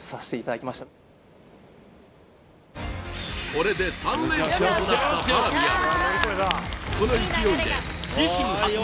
これで３連勝となったバーミヤン